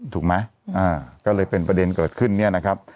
ถูกไหมก็เลยเป็นประเด็นเกิดขึ้น